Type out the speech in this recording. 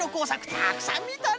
たくさんみたの！